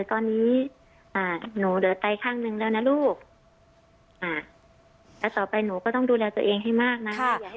ตอนนี้หนูเหลือไตข้างหนึ่งแล้วนะลูกแล้วต่อไปหนูก็ต้องดูแลตัวเองให้มากนะ